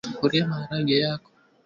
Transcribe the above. weka kwenye sufuria naharage yako